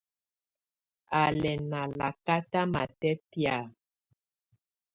Á lɛ́ ná lakata matɛ́tɛ̀á.